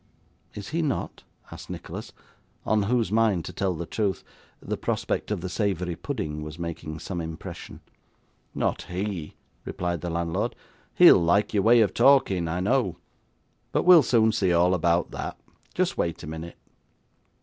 'Is he not?' asked Nicholas, on whose mind, to tell the truth, the prospect of the savoury pudding was making some impression. 'Not he,' replied the landlord. 'He'll like your way of talking, I know. But we'll soon see all about that. Just wait a minute.